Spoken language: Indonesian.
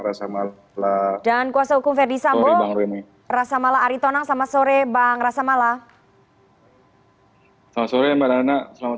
rasamala dan kuasa hukum ferdi sambo rasamala aritonang selamat sore bang rasamala selamat